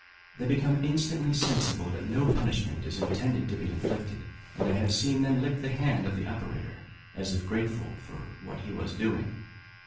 They become instantly sensible that no punishment is intended to be inflicted, and I have seen them lick the hand of the operator, as if grateful for what he was doing.